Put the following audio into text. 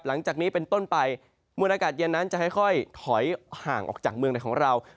หลังจากนี้เป็นต้นไปมวลอากาศเย็นนั้นจะค่อยถอยห่างออกจากเมืองในของเรา